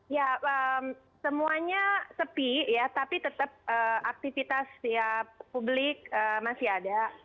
ya semuanya sepi ya tapi tetap aktivitas publik masih ada